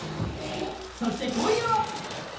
そして今夜は！